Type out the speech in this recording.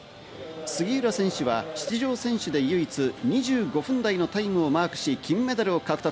杉浦選手は出場選手で唯一、２５分台のタイムをマークし、金メダルを獲得。